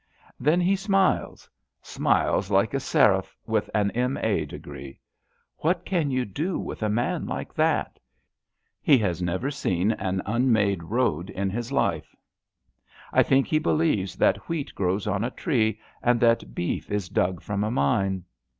Then he smiles — smiles like a seraph with an M. A. degree. What can you do with a man like that I He has never seen an unmade road in his life; I think he believes that wheat grows on a tree and that beef is dug from a mine.